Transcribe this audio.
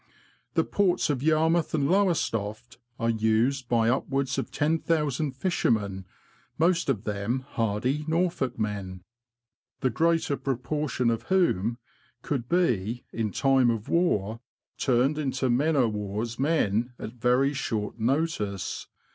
The ports of Yarmouth and Lowestoft are used by upwards of 10,000 fishermen, most of them hardy Norfolk men, the greater proportion of 10 THE LAND OF THE BROADS. whom could be, in time of war, turned into men o' war's men at very short notice.